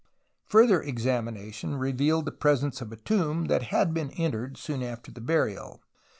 Further examination revealed the presence of a tomb that had been entered soon after the biu'ial.